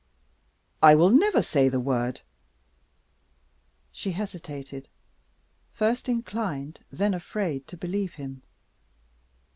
"I will never say the word!" She hesitated first inclined, then afraid, to believe him.